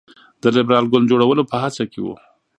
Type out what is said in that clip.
د لېبرال ګوند جوړولو په هڅه کې وو.